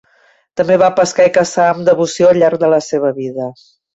També va pescar i caçar amb devoció al llarg de la seva vida.